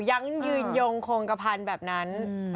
ยังยืนยงโครงกระพันธ์แบบนั้น